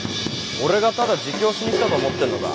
俺がただ自供しに来たと思ってんのか？